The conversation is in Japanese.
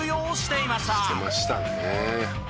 「してましたね」